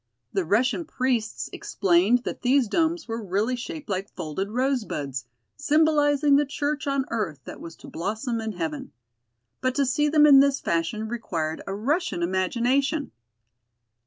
The Russian priests explained that these domes were really shaped like folded rosebuds, symbolizing the church on earth that was to blossom in heaven. But to see them in this fashion required a Russian imagination.